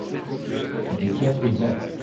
Les quatres vents.